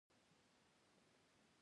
د توبې اساسي شرط دا دی چې ګناه پريږدي